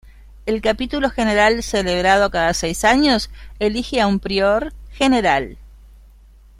El Capítulo General celebrado cada seis años elige a un Prior General.